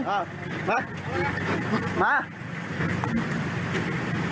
มามา